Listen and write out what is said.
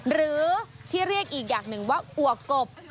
หรือที่เรียกอีกอย่างหนึ่งว่าอัวกกบ